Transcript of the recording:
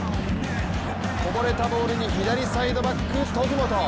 こぼれたボールに左サイドバック・徳元。